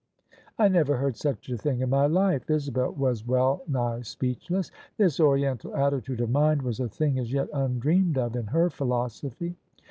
" I never heard such a thing in my life !" Isabel was well nigh speechless. This oriental attitude of mind was a thing as yet undreamed of in her philosophy.